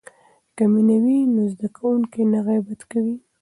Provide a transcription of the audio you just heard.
که مینه وي نو زده کوونکی نه غیبت کوي.